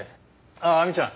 ああ亜美ちゃん。